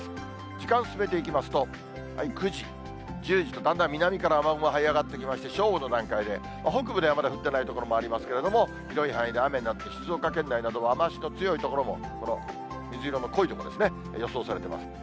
時間進めていきますと、９時、１０時とだんだん南から雨雲がはい上がってきまして、正午の段階で、北部ではまだ降ってない所もありますけれども、広い範囲で雨になって、静岡県内などは雨足の強い所も、この水色の濃い所ですね、予想されてます。